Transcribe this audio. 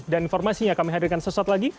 dan informasinya kami hadirkan sesuatu lagi